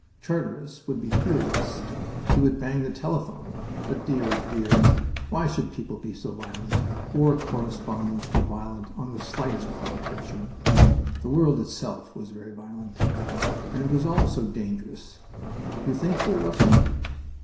Charteris would be furious. He would bang the telephone but dear, dear, why should people be so violent? War correspondents were violent on the slightest provocation. The world itself was very violent. And it was all so dangerous. Don't you think so, Russell?